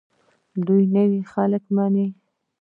دوی نوي خلک مني.